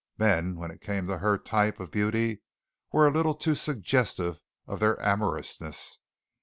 Men, when it came to her type of beauty, were a little too suggestive of their amorousness.